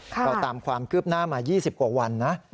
เราตามความคืบหน้ามา๒๐กว่าวันนะ